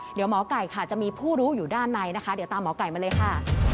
เดี๋ยวหมอไก่ค่ะจะมีผู้รู้อยู่ด้านในนะคะเดี๋ยวตามหมอไก่มาเลยค่ะ